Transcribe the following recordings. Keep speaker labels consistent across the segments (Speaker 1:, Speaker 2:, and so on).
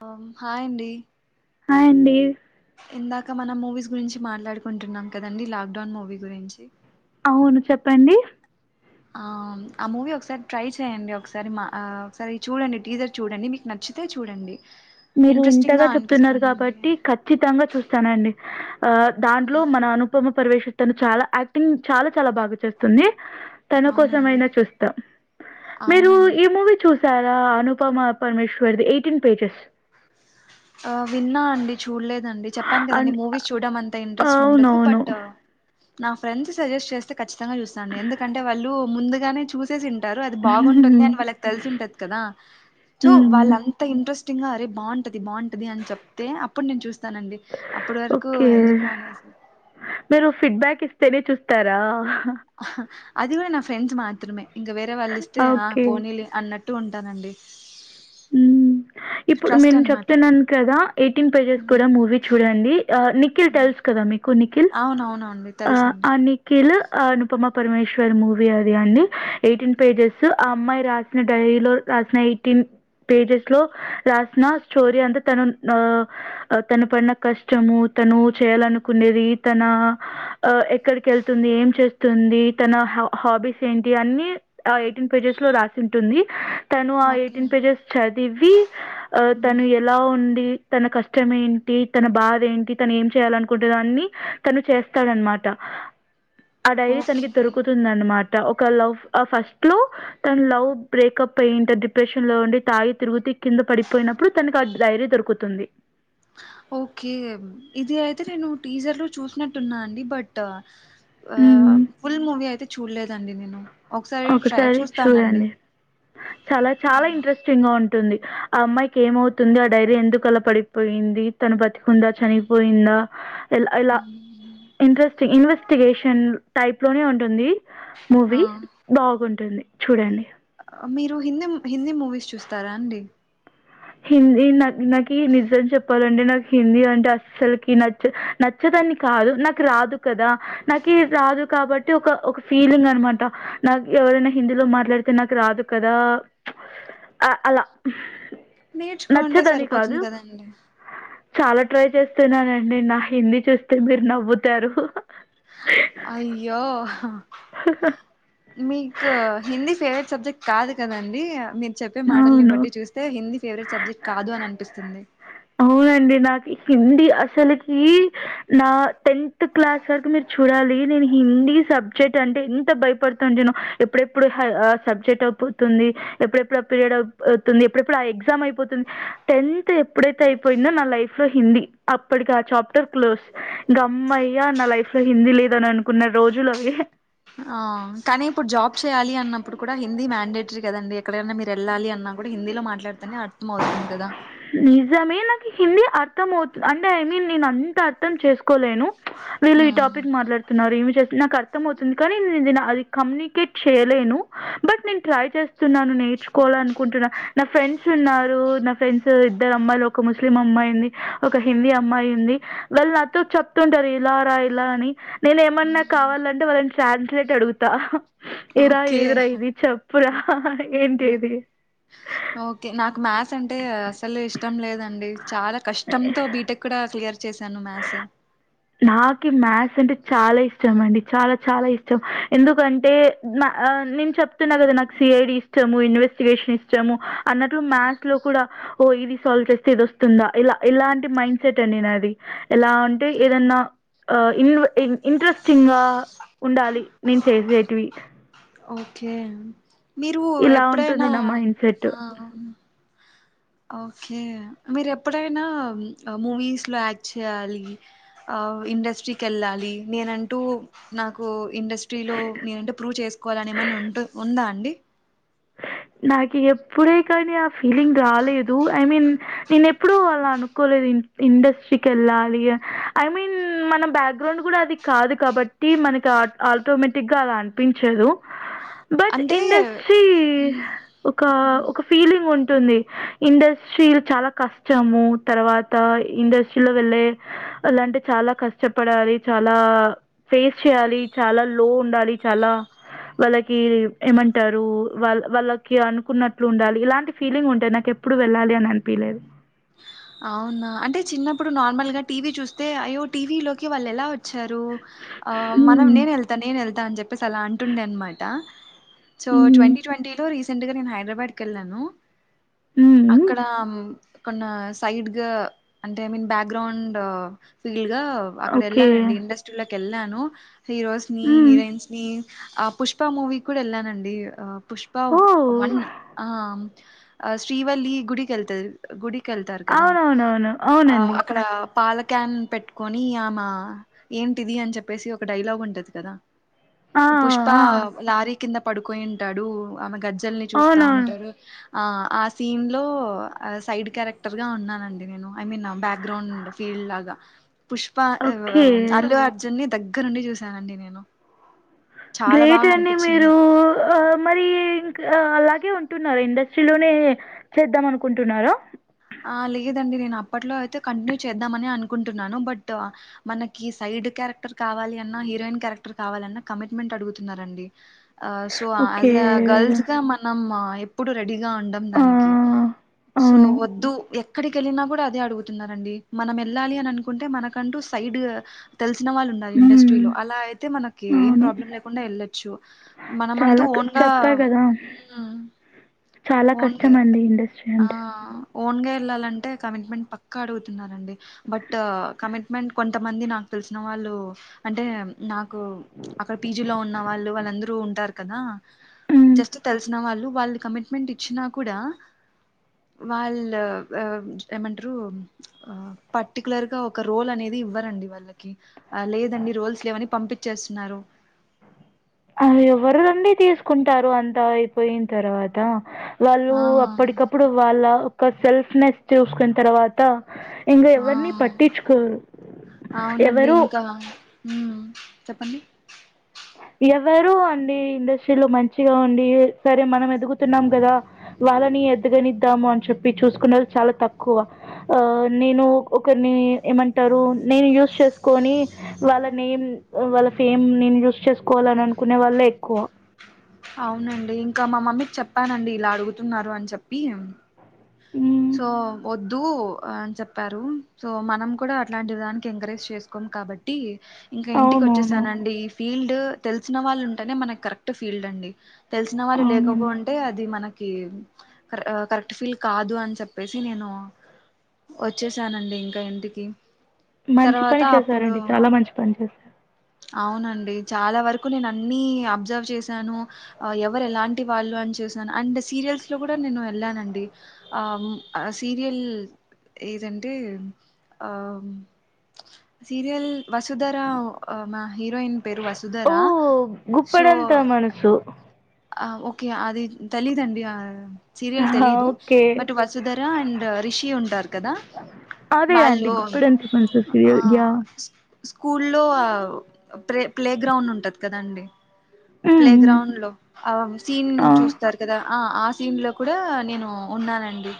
Speaker 1: Hi హాండి
Speaker 2: hi అండి
Speaker 1: ఇందాక మనం మూవీస్ గురించి మాట్లాడుకుంటున్నాం కదండి లాక్ డౌన్ మూవీ గురించి
Speaker 2: అవును చెప్పండి
Speaker 1: ఆ ఆ మూవీ ఒకసారి ట్రై చేయడి ఒకసారి మా ఆ ఒకసారి చూడండి టీజర్ చూడండి మీకు నచ్చి నచ్చితే చూడండి
Speaker 2: మీరు
Speaker 1: ఇంట్రెస్టింగ్
Speaker 2: ఇంతగా
Speaker 1: గా
Speaker 2: చెప్తున్నారు
Speaker 1: అనిపిస్తుందండి
Speaker 2: కాబట్టి ఖచ్చితంగా చూస్తానండి ఆ దాంట్లో మన అనుపమ పరవేేశ తను చాలా యాక్టింగ్ చాలా చాలా బాగా చేస్తుంది తన కోసం
Speaker 1: అవునండి
Speaker 2: అయినా చూస్తా మీరు
Speaker 1: అవునండి
Speaker 2: ఈ మూవీ చూస్ సారా Anupama Parameshwar the eighteen pages
Speaker 1: ఆ విన్నా అండి చు చూడలేదండి చెప్పాను కదండి
Speaker 2: అండ్
Speaker 1: మూవీస్ చూడడం అంతా ఇంట్రెస్ట్ ఉండదు
Speaker 2: అవునవును
Speaker 1: బట్ నా ఫ్రెండ్స్ సజెస్ట్ చేస్తే ఖచ్చితంగా చూస్తాండి ఎందుకంటే వాళ్ళు ముందుగానే చూసి సింటారు అది బాగుంటుంది
Speaker 2: హ్మ్.
Speaker 1: అని వాళ్ళకి తెలిసి ఉంటంది కదా సో
Speaker 2: హ్మ్.
Speaker 1: వాళ్ళంత ఇంట్రెస్ట్ టింగా అరే బాగుంటది బాగుంటది అని చెప్తే అప్పుడు నేను చూస్త వస్తానండి అప్పటి వరకు
Speaker 2: ఓకే
Speaker 1: ఎందుకు అనేసి
Speaker 2: కిస్తేనే చూస్తారా
Speaker 1: అది కూడా నా ఫ్రెండ్స్ మాత్రమే ఇకా వేరే వాళ్ళలిస్ట్ ఆ
Speaker 2: ఓకే
Speaker 1: పోనీ అన్నట్ ట్టూ ఉంటానండి
Speaker 2: హ్మ్. ఇప్పుడు
Speaker 1: ట్రస్ట్
Speaker 2: నేను
Speaker 1: అనమాట
Speaker 2: చెప్తున్నాను కదా ఎయిటీన్ పలేజర్స్
Speaker 1: హ్మ్.
Speaker 2: కూడా మూవీ చూడండి నిఖిల్ తెల్స్ గదా మీకు నిఖిల్
Speaker 1: అ అండి తెలుసు
Speaker 2: ఆహ్,
Speaker 1: అండి
Speaker 2: 'నిఖిల్' ఆ అనుపమ పరమేశ్వర్ మూవీ అది అండి ఎయిటీన్ పేజెస్ ఆ అమ్మాయి రాసిన డైరీలో రాసిన ఎయిటీన్ పేజెస్ లో రాసిన స్టోరీ అంతా తను ఆ తను పడిన కష్టము తను చేయాలనుకున్నాది తన ఎక్కడికి వెళ్తుంది ఏం చేస్తుంది తన హాబీస్ ఏంటి అన్ని ఎయిటీన్ పేజెస్ లో రాసి ఉంటుంది తను ఆ
Speaker 1: ఓకే
Speaker 2: ఎయిటీన్ పేజెస్ చదివి ఆ
Speaker 1: హ్మ్.
Speaker 2: తను ఎలా ఉండి తన కష్టం ఏంటి తన బాధ ఏంటి తను ఏం చేయాలనుకుంటుందో అన్ని తను చేస్తాడనమాట ఆ డైరీ
Speaker 1: ఓకే
Speaker 2: తనకి దొరుకుతుంది అన్నమాట టా ఒక లవ్ ఆ ఫస్ట్ లో తన లవ్ బ్రేకప్ అయింటది డిప్రెషన్ లో ఉండి తాగీ తిరుగుతి కింద పడిపోయినప్పుడు తనకి ఆ డైరీ దొరుకుతుంది
Speaker 1: హా ఓకే ఇది అయితే నేను టీజర్ లో చూసినట్టున్నా అండి బట్ ఆ
Speaker 2: హ్మ్.
Speaker 1: ఫుల్ మూవీ అయితే చూడలేదు
Speaker 2: ఒకసారి
Speaker 1: చూస్తానండి
Speaker 2: చూడండి చాలా చాలా ఇంట్రెస్టింగ్ గా ఉంటుంది టుంది ఆ అమ్మాయికి ఏమవుతుంది ఆ డైరీ ఎందుకు అల పడిపోయింది తను బతికుందా చనిపోయిందా ఆ ఇలా ఇలా
Speaker 1: హ్మ్.
Speaker 2: ఇంట్రెస్టింగ్ ఇన్వెస్టిగేషన్ టైప్ లోనే ఉంటుంది
Speaker 1: ఆ
Speaker 2: మూవీ బాగుంటుంది చూడండి
Speaker 1: మీరు హింద్ హిందీ మూవీస్ చూస్తారా అండి
Speaker 2: హిందీ నా నాకి నిజం చెప్పాలంటే నాకి హిందీ అంటే అస్సలుకి నచ్చా నచ్చద్ ని కాదు నాకు రాదు కదా నాకి రాదు కాబట్టి ఒక ఒక ఫీలింగ్ అనమాట నా నాకి ఎవరైనా హిందీలో మాట్లాడితే నాకు రాదు కదా ఆ అలా
Speaker 1: నేర్చుకోంటే
Speaker 2: నచ్చదని
Speaker 1: సరిపోతుంది
Speaker 2: కాదు.
Speaker 1: కదండి
Speaker 2: చాలా ట్రై చేస్తున్నానండి నా హిందీ చూస్తే మీరు నవ్వుతారు
Speaker 1: అయ్యో మీకు హిందీ ఫేవరెట్ సబ్జెక్ట్ కాదు కదండి మీ చెప్పే మాటల్ని
Speaker 2: అవును.
Speaker 1: బట్టి చూస్తే హిందీ ఫేవరెట్ సబ్జెక్ట్ కాదు అని అనిపిస్తుంది
Speaker 2: నాకి హిందీ అసలకి నా టెన్త్ క్లాస్ వరకు మీరు చూడాలి నేన్ హిందీ హిందీ సబ్జెక్ట్ అంటే ఎంత భయపడుతుంట ఎప్పుడెప్పుడు సబ్జెక్ట్ అయిపోతుంది ఎప్పుడెప్పుడు పీరియడ్ అవుపోతుంది ఎప్పుడెప్పుడు ఆ ఎగ్జామ్ అయిపోతుంది టెన్త్ ఎప్పుడైతే అయిపోయిందో నా లైఫ్ లో హిందీ అప్పటికి ఆ చాప్టర్ క్లోజ్ గమ్మయ్య నా లైఫ్ లో హిందీ లేదని అనుకు
Speaker 1: ఆ కానీ ఇప్పుడు జాబ్ చేయాలి అన్నప్పు ప్పుడు కూడా హిందీ మ్యాండేటరీదండి ఎక్కడైనా మీరు వెళ్ళాలి అన్నా కూడా హిందిలో మాట్డుతనే అర్థ మవుతుంది కదా
Speaker 2: నిజమే నాకు హిందీ అర్థం అవుతుంది అంటే ఐ మీన్ నేను అంత అర్థం చేసుకు కోలేను వీళ్ళు ఈ
Speaker 1: ఉమ్.
Speaker 2: టాపిక్ మాట్లాడుతున్నారు ఏమి చే నాకు అర్థం అవుతుంది కానీ కమ్యూనికేట్ చేయలేను బట్ నేను ట్రై చేస్తున్నాను నేర్చుకోవాల అనుకుంటున్నా నా ఫ్రెండ్స్ ఉన్నారు నా ఫ్రెండ్స్ ఇద్దరు అమ్మాయిలు ఒక ముస్లిం అమ్మాయి ఉంది ఒక హిందీ అమ్మాయి ఉంది వాళ్ళ నాతో చెప్తుంటారు ఇలా రా ఇలా అని నేను ఏమన్నా కావాలంటే వాళ్ళని ట్రాన్స్లేట్ అడుగుతా ఏరా
Speaker 1: ఓకే
Speaker 2: ఏదిరా ఇది చె ప్పు రా ఏంటి ఇది
Speaker 1: స్ అంటే అసలు ఇష్టం లేదండి చాలా కష్టంతో బీటెక్ కూడా క్లియర్ చేశాను మ్యాథ్స్
Speaker 2: నాకి మ్యాథ్స్ అంటే చాలా ఇష్టం అండి చాలా చాలా ఇష్టం ఎందుకంటే ఆ నేను చెప్తున్నా కదా నాకు సిఐడి ఇష్టము ఇన్వెస్టిగేషన్ ఇష్టము అన్నట్లు మ్యాథ్స్ లో కూడా ఓ ఇది సాల్వ్ చేస్తే ఇది వస్తుందా ఇలా ఇలాంటి మైండ్ సెట్ అడి నే నా అది ఎలా అంటే ఏదన్నా ఇంట్రెస్టింగ్ గా ఉండాలి నేను చేసేటివి
Speaker 1: ఓకే మీరు
Speaker 2: ఇలా
Speaker 1: ఎప్పుడైనా
Speaker 2: ఉంటుంది నా మైండ్‌సెట్.
Speaker 1: ఆ ఓకే మీరు ఎప్పుడైనా మూవీస్ లో యాక్ట్ చేయాలి ఇండస్ట్రీకి వెళ్ళాలి నేనంటూ నాకు ఇండస్ట్రీలో నేనంటే ప్రూవ్ చేసుకోవాలని ఏమన్నా ఉంటు ఉందా అండి
Speaker 2: నాకు ఎప్పుడే కానీ ఆ ఫీలింగ్ రాలేదు ఐ మీన్ నేను ఎప్పుడూ అళ్లా అనుకోలేదు. ఇండస్ట్రీకి వెళ్ళాలి ఐ మీన్ మన బ్యాక్ గ్రౌండ్ కూడా అది కాదు కాబట్టి మ మ ఆటోమేటిక్ గా అలా అనిపించదు బట్
Speaker 1: అంటే
Speaker 2: ఇండస్ట్రీ
Speaker 1: మ్
Speaker 2: ఒక ఒక ఫీలింగ్ ఉంటుంది ఇండస్ట్రీ చాలా కష్టము తర్వాత ఇండస్ట్రీలో వెళ్ళే అలాంటే చాలా కష్టపడాలి చాలా ఫేస్ చేయాలి చాలా లో ఉండాలి చాలా వాళ్ళకి ఏమంటారు వా వాళ్ళకి అనుకున్నట్లు ఉండాలి ఇలాంటి ఫీలింగ్ ఉంటాయి నాకు ఎప్పుడు వెళ్ళాలి అని అనిపిలేదు
Speaker 1: అవునా అంటే చిన్నప్పుడు నార్మల్ గా టీవీ చూస్తే అయ్య టీవీ లోకి వాళ్ళు ఎలా వచ్చారు ఆ మనం
Speaker 2: హ్మ్.
Speaker 1: నేను వెళ్తా నేను వెళ్తా అని చెప్పేసి అలా అంటుండే అనమాట సో
Speaker 2: హ్మ్.
Speaker 1: ట్వంటీ ట్వంటీ లో రీసెంట్ గా నేను హైదరాబాద్ క వెళ్ళాను
Speaker 2: హ్మ్.
Speaker 1: అక్కడ ఉమ్ ఏమన్నా సైడ్ గా అంటే ఐ మీన్ బ్యాక్గ్రౌండ్ ల్ గా అక్కడ
Speaker 2: ఓకే.
Speaker 1: వెళ్ళానండి ఇండస్ట్రీలోకి వెళ్ళాను హీరోస్ ని
Speaker 2: హ్మ్.
Speaker 1: హీరోయిన్స్ ని ఆ పుష్ప మూవీ కూడా వెళ్ళానండి ఆ పుష్ప
Speaker 2: ఓహ్!
Speaker 1: వన్ ఆ ఆ శ్రీవల్లి గుడికి వెళ్తారు గుడికి వెళ్తారు కదా
Speaker 2: అవునవునవును.
Speaker 1: ఆ
Speaker 2: అవునండి.
Speaker 1: అక్కడ పాలక్యాన్ పెట్టుకొని ఆమె ఏంటిది అని చెప్పేసి ఒక డైలాగ్ ఉంటది కదా
Speaker 2: ఆ
Speaker 1: పుష్ప
Speaker 2: ఆ
Speaker 1: లారీ కింద పడుపోయింటాడు ఆమె గజ్జ ల్ని చూస్తా
Speaker 2: అవునా
Speaker 1: ఉంటారు ఆ ఆ సీన్ లో సైడ్ క్యారెక్టర్ గా ఉన్నానండి నేను ఐ మీన్ బ్యాక్గ్రౌండ్ ఫీల్డ్ లాగా పుష్ప
Speaker 2: ఓకే
Speaker 1: అల్లు అర్జున్ దగ్గరుండి చూశానండి నేను చాలా
Speaker 2: గ్రేట్
Speaker 1: బాగా
Speaker 2: అండి
Speaker 1: అనిపించింది
Speaker 2: మీరు మరి ఇంకా అలాగే ఉంటు న్నారు ఇండస్ట్రీలోనే చేద్దాం అనుకుంటున్నార
Speaker 1: ఆ లేదండి నేను అప్పట్లో అయితే కంటిన్యూ చేద్దామని అనుకుంటున్నాను బట్ మనకి లిడ్ క్యారెక్టర్ కావాలి అన్నా హీరోయిన్ క్యారెక్టర్ కావాల అన్న కమిట్మెంట్ అడుగుతున్నారండి ఆ so as
Speaker 2: okay
Speaker 1: a girls గా మనం ఎప్పుడు రె డిగా ఉండం
Speaker 2: ఆ
Speaker 1: దానికి సో
Speaker 2: అవును
Speaker 1: వ ఎక్కడి ఎళ్ళిన కూడ అదే అడుగుతున్నరండి మనం ఎళ్ళాలి అనుకుంటే మనకంటు సైడు తె ల్సిన ఉండాలి
Speaker 2: మ్మ్.
Speaker 1: ఇండస్ట్రీలో అలా అయితే మనకి ఏం
Speaker 2: అవును
Speaker 1: ప్రాబ్లం లేకుండా ఎళ్ళచ్చు మన అంటు
Speaker 2: చాలా క-
Speaker 1: ఓన్ గ
Speaker 2: చెప్పా గదా చాలా
Speaker 1: ఓన్గా
Speaker 2: కష్టమండి ఇండస్ట్రీ
Speaker 1: ఆ
Speaker 2: అంటే
Speaker 1: ఓన్గా ఎళ్ళాలంటే కమిట్మెంట్ పక్కా అడుగుతున్నండి బట్ కమిట్మెంట్ కొంతమంది నా తెలిసిన వాళ్ళు అంటే నాకు అక్కడ పీజీలో ఉన్న వాళ్ళు వాళ్ళందరూ ఉంటారు కదా
Speaker 2: మ్మ్.
Speaker 1: జస్ట్ తెలిసిన వాళ్ళు వాళ్ళు కమిట్మెంట్ ఇచ్చినా కూడా వాళ్ళు ఏమంటారు పర్టిక్యులర్ గా ఒక రోల్ అనేది ఇవ్వరండి వాళ్ళకి లేదండి రోల్స్ లేవని పంపించేస్తున్నారు
Speaker 2: అ ఎవరు నండి తీసుకుంటారు అంతా అయిపోయిన తర్వాత వాళ్ళు
Speaker 1: ఆ
Speaker 2: అప్పటికప్పుడు వాళ్ళ ఒక సెల్ఫ్ నెస్ చూసుకున్న తర్వాత ఇంకా
Speaker 1: ఆ
Speaker 2: ఎవరిని పట్టించుకోరు
Speaker 1: అవునండి
Speaker 2: ఎవరు
Speaker 1: ఇంకా మ్మ్ చెప్పండి
Speaker 2: ఎవరు అండి ఇండస్ట్రీలో మంచిగా ఉండి సరే మనం ఎదుగుతున్నాం గదా వ వాళ్ళని ఎదగనిద్దాము అని చెప్పి చూసుకున్నారు చాలా తక్కువ నేను ఒకరిని ఏమంటారు నేను యూస్ చేసుకని వాళ్ళ నేమ్ వాళ్ళ ఫేమ్ నేను యూస్ చే కోవాలని అనుకునే వాళ్ళే ఎక్కువ
Speaker 1: అవునండి ఇంకా మా మమ్మీకి చెప్పానండి ఇలా అడుగుతున్నారు అని చెప్పి
Speaker 2: హ్మ్.
Speaker 1: సో వద్దు అని చెప్పారు సో మనం కూడా అట్లాంటి దానికి ఎంకరేజ్ చేసుకొ కాబట్టి ఇంకా ఇంటికి
Speaker 2: అవునవును
Speaker 1: వచ్చేసానండి ఈ ఫీల్డ్ తెలిసిన వాళ్ళు ఉంటేనే మనకి కరెక్ట్ ఫీల్డ్ అండి తెలిసిన వాళ్ళు లేకపో
Speaker 2: అవునండి
Speaker 1: అంటే అది మనకి కర కరెక్ట్ ఫీల్డ్ కాదు అని చెప్పేసి నేను వచ్చేసానండి ఇంకా ఇంటికి
Speaker 2: మంచి
Speaker 1: తర్వాత
Speaker 2: పని
Speaker 1: అప్పుడు
Speaker 2: చేసారండి చాలా మంచి పని చేశారు
Speaker 1: అవునండి చాలా వరకు నేను అన్ని అబ్జర్వ్ చేశాను ఎవరు ఎలాంటి వాళ్ళు చేసాను అండ్ సీరియల్స్ లో కూడా నేను ఎళ్ళానండి ఆ సీరియల్ ఏదంటే ఆ సీరియల్ వసుధరా అ నా హీరోయిన్ పేరు వసుధరా
Speaker 2: ఓ
Speaker 1: సో
Speaker 2: గుప్పడంత మనసు
Speaker 1: ఆ ఓకే అది తెలిదండి సీరియల్
Speaker 2: హా
Speaker 1: తెలీదు
Speaker 2: okay
Speaker 1: but Vasudhara and Rishi ఉంటారు కదా
Speaker 2: అదే అండి
Speaker 1: వాళ్ళు
Speaker 2: గుప్పెడంత మనసు
Speaker 1: ఆ
Speaker 2: సీరియల్ యా
Speaker 1: స్కూల్లో ప్రె ప్లే గ్రౌండ్ ఉంటది కదాండి
Speaker 2: మ్మ్
Speaker 1: ప్లే
Speaker 2: మ్మ్
Speaker 1: గ్రౌండ్ లో ఆ సీన్
Speaker 2: ఆ
Speaker 1: చూస్తారు కదా ఆ ఆ సీన్ లో కూడా నేను ఉన్నానండి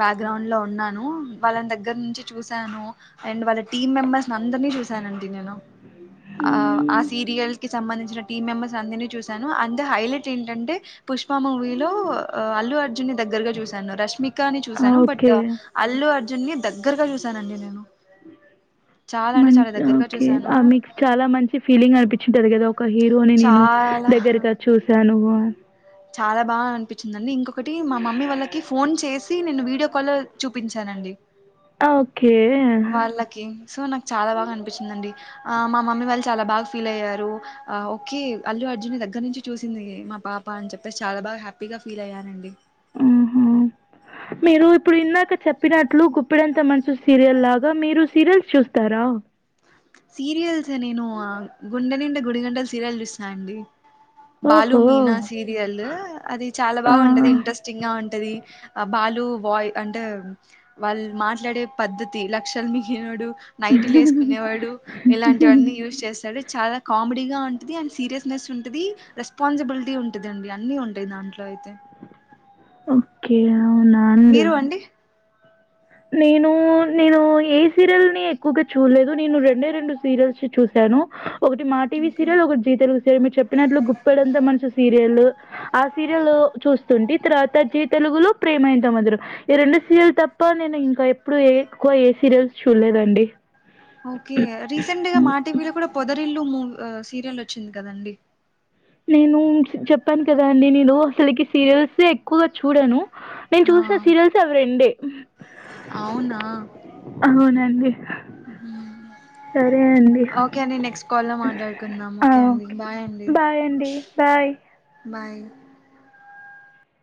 Speaker 1: బ్యాక్గ్రౌండ్ లో ఉన్నాను వాళ్ళని దగ్గర నుంచి చూశాను అండ్ వాళ్ళ టీమ్ మెంబర్స్ ని అందర్ ని చూశనండి నేను అ ఆ
Speaker 2: మ్మ్
Speaker 1: సీరియల్ సంబంధించిన టీమ్ మెంబెర్స్ అందరిని చూశాను అ హైలైట్ ఏంటంటే పుష్ప మూవీలో ఓ అల్లు అర్జున్ ని దగ్గరగ చూశాను రష్మీ కని
Speaker 2: ఆ
Speaker 1: చూశాను బట్
Speaker 2: ఓకే
Speaker 1: అల్లు అర్జున్ ని దగ్గరగా చూశానండి నేను చాలా
Speaker 2: మ
Speaker 1: అంటే చాలా దగ్గరగా
Speaker 2: ఓకే
Speaker 1: చూశాను
Speaker 2: ఆ మీకు చాలా మంచి ఫీలింగ్ అనిపించి ఉంటాది కదా ఒక హీరోని నేను
Speaker 1: చాలా
Speaker 2: దగ్గరగా చూశాను
Speaker 1: చాలా బాగా అనిపించిందండి ఇంకొకటి మా మమ్మీ వాళ్ళకి ఫోన్ చేసి నేను వీడియో కాల్ చూపించానండి
Speaker 2: ఓకే
Speaker 1: వాళ్ళకి సో నాకు చాలా బాగా అనిపించిందండి ఆ మా మమ్మీ వాళ్ళు చాలా బాగా ఫీల్ అయ్యారు ఓకే అల్లు అర్జున్ని దగ్గర నుంచి చూసింది మా పాప అని చెప్పేసి చాలా బాగా హ్యాపీగా ఫీల్ అయ్యారండి
Speaker 2: ఆహా మీరు ఇప్పుడు ఇందాక చెప్పినట్లు గుప్పెడంత మనసు సీరియల్ లాగా మీరు సీరియల్స్ చూస్తారా
Speaker 1: సీరియల్స్ నేను గుండె నిండా గుడి గంటల సీరియల్ చూసిన అండి బాలు
Speaker 2: ఓహో
Speaker 1: మీనా సీరియల్ అది చాలా
Speaker 2: ఆ
Speaker 1: బాగా ఉంటది ఇంట్రెస్టింగ్ గా ఉంటది బాలు బాయ్ అంటే వాళ్ళు మాట్లాడే పద్ధతి లక్షలు మింగినోడు నైట్లు వేసుకునేవాడు ఇలాంటివన్నీ యూస్ చేస్ సరే చాలా కామెడీ గా ఉంటుది అండ్ సీరియస్నెస్ ఉంటుది రెస్పాన్సిబిలిటీ ఉంటుది అండి అన్ని ఉంటాది దా దాంట్లో అయితే
Speaker 2: ఓకే ఇగ
Speaker 1: మీరు అండి
Speaker 2: నేను నేను ఏ సీరియల్ ని ఎక్కువగా చూడలేదు నేను రెండే రెండు సీరియల్స్ చూశాను ఒకటి మా టీవీ సీరియల్ ఒకటి జీ తెలుగు సీరియల్ మీరు చెప్పినట్లు గుప్పెడంత మనసు సీరియల్ ఆ సీరియల్ చూస్తుంటే తవాత జి తెలుగులో ప్రేమ ఎంత మధురం ఈ రెండు సీరియల్ తప్ప ఇ నేను ఇంకా ఎప్పుడు ఎక్కువ ఏ సీరియల్స్ చూడలేదండి
Speaker 1: ఓకే రీసెంట్గా మా టీవీలో కూడా పొద రిల్లు మూ సీరియల్ వచ్చింది కదండి
Speaker 2: నేను చెప్పాను కదా అండి నేను అసలకి సీరియల్స్ ఎక్కువగా చూడాను నేను
Speaker 1: ఆ
Speaker 2: చూసిన సీరియల్స్ అవి రెండే
Speaker 1: అవునా
Speaker 2: అవునండి.
Speaker 1: హ
Speaker 2: సరే అండి.
Speaker 1: ఓకే అండి నెక్స్ట్ కాల్ లో మాట్లాడుకుందాం ఓకే అండి బాయ్ అండి
Speaker 2: హాయ్
Speaker 1: బాయ్